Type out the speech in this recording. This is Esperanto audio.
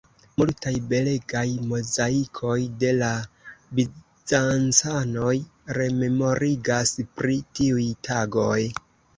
Multaj belegaj mozaikoj de la bizancanoj rememorigas pri tiuj tagoj.